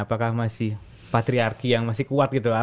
apakah masih patriarki yang masih kuat gitu